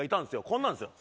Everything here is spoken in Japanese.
こんなんですよ。